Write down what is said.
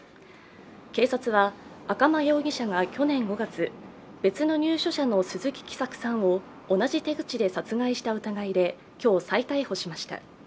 警察は、赤間容疑者が去年５月、別の入所者の鈴木喜作さんを同じ手口で殺害した疑いで今日、再逮捕しました。